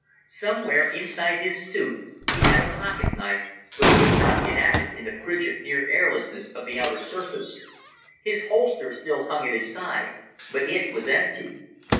Somewhere inside his suit he had a pocket knife, but he could not get at it in the frigid near airlessness of the outer surface. His holster still hung at his side, but it was empty.